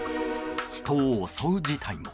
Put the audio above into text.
人を襲う事態も。